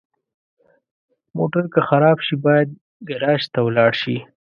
موټر که خراب شي، باید ګراج ته ولاړ شي.